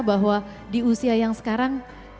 bahwa di usia yang sekarang